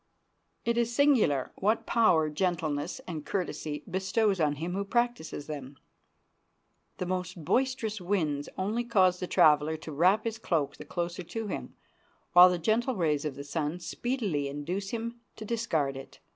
It is singular what power gentleness and courtesy bestows on him who practices them. The most boisterous winds only cause the traveler to wrap his cloak the closer to him, while the gentle rays of the sun speedily induce him to discard it.